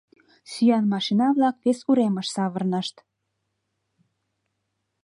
Сӱан машина-влак вес уремыш савырнышт.